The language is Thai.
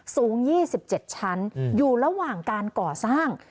สูงยี่สิบเจ็ดชั้นอืมอยู่ระหว่างการก่อสร้าง